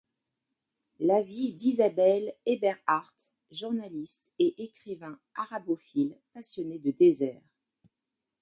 La vie d'Isabelle Eberhardt, journaliste et écrivain arabophile, passionnée de désert.